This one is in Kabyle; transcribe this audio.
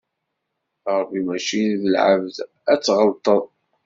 Ṛebbi mačči d lɛebd ad t-tɣellṭeḍ.